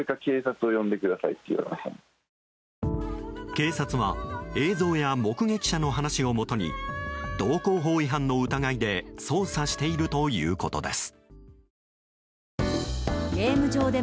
警察は映像や目撃者の話をもとに道交法違反の疑いで捜査しているということです。